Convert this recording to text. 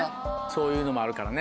そういうのもあるから。